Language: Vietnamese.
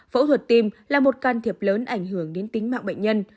phẫu thuật tim là một can thiệp lớn ảnh hưởng đến tính mạng bệnh nhân